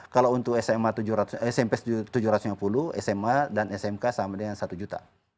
kalau untuk smp tujuh ratus lima puluh sma dan smk sama dengan satu juta